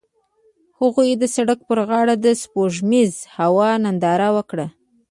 هغوی د سړک پر غاړه د سپوږمیز هوا ننداره وکړه.